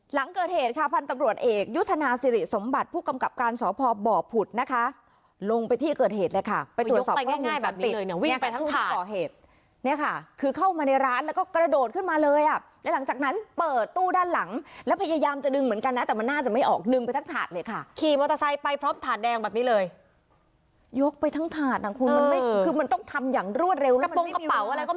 หลังเกิดเหตุค่ะพันธ์ตำรวจเอกยุทธนาสิริสมบัติผู้กำกับการศพบ่อผุดนะคะลงไปที่เกิดเหตุเลยค่ะไปตรวจสอบข้อมูลจัดติดเลยเนี่ยค่ะที่ก่อเหตุเนี่ยค่ะคือเข้ามาในร้านแล้วก็กระโดดขึ้นมาเลยอ่ะแล้วหลังจากนั้นเปิดตู้ด้านหลังแล้วพยายามจะดึงเหมือนกันนะแต่มันน่าจะไม่ออกดึงไปทั้งถาดเลยค